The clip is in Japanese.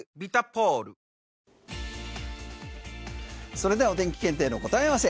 それではお天気検定の答え合わせ。